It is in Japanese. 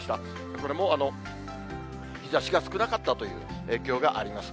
これも日ざしが少なかったという影響があります。